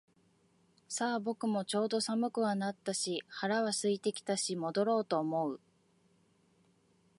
さあ、僕もちょうど寒くはなったし腹は空いてきたし戻ろうと思う